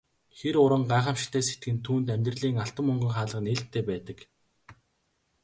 Хэн уран гайхамшигтай сэтгэнэ түүнд амьдралын алтан мөнгөн хаалга нээлттэй байдаг.